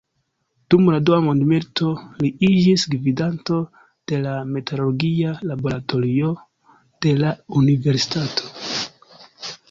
Dum la dua mondmilito, li iĝis gvidanto de la metalurgia laboratorio de la universitato.